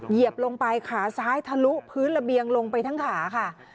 เหยียบลงไปขาซ้ายทะลุพื้นระเบียงลงไปทั้งขาค่ะ